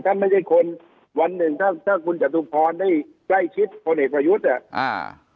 ฉันไม่ใช่คนวันหนึ่งถ้าคุณจัตรุพรได้ใกล้คิดพลเอกประยุทธ์